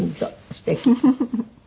すてき。